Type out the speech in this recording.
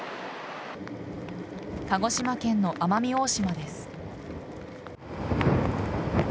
鹿児島県の奄美大島です。